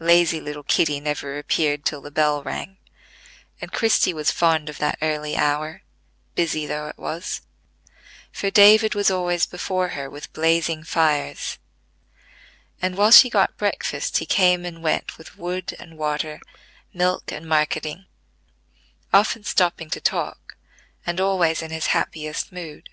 Lazy little Kitty never appeared till the bell rang; and Christie was fond of that early hour, busy though it was, for David was always before her with blazing fires; and, while she got breakfast, he came and went with wood and water, milk and marketing; often stopping to talk, and always in his happiest mood.